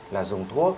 là dùng thuốc